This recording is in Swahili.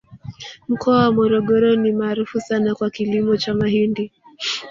mkoa wa morogoro ni maarufu sana kwa kilimo cha mahindi